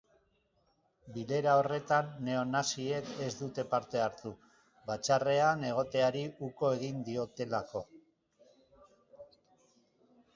Bilera horretan neonaziek ez dute parte hartu, batzarrean egoteari uko egin diotelako.